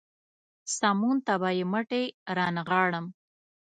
سمون ته به يې مټې رانغاړم.